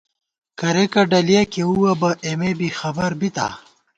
کریَکہ ڈلیَہ کېؤوَبہ ، اېمے بی خبر بِتا